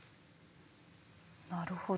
なるほど。